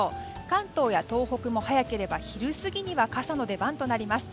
関東や東北も早ければ昼過ぎには傘の出番となります。